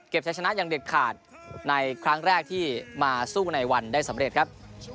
ใช้ชนะอย่างเด็ดขาดในครั้งแรกที่มาสู้ในวันได้สำเร็จครับ